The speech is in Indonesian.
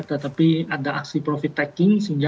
tetapi ada aksi profit taking sehingga sedikit lagi ya